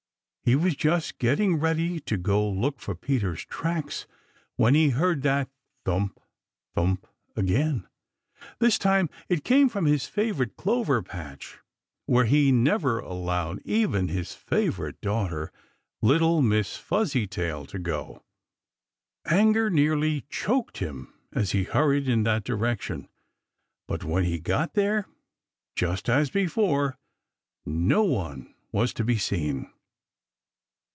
He was just getting ready to go look for Peter's tracks when he heard that thump, thump again. This time it came from his favorite clover patch where he never allowed even his favorite daughter, little Miss Fuzzytail, to go. Anger nearly choked him as he hurried in that direction. But when he got there, just as before no one was to be seen.